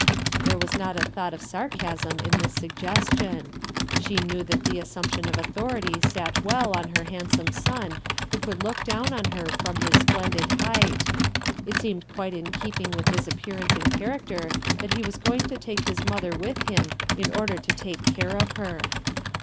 There was not a thought of sarcasm in this suggestion. She knew that the assumption of authority sat well on her handsome son who could look down on her from his splendid height; it seemed quite in keeping with his appearance and character that he was going to take his mother with him in order to take care of her.